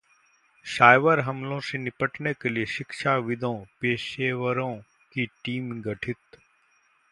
cyber हमलों से निपटने के लिए शिक्षाविदों, पेशेवरों की टीम गठित